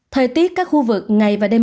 thời tiết các khu vực ngày và đêm